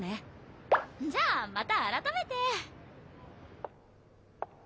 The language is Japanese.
じゃあまた改めて。